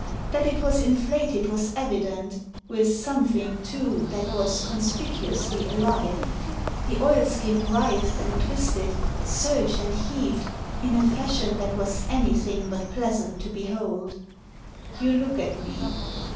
That it was inflated was evident, with something, too, that was conspicuously alive. The oilskin writhed and twisted, surged and heaved, in a fashion that was anything but pleasant to behold. " You look at me